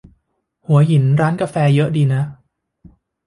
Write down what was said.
หัวหินร้านกาแฟเยอะดีนะ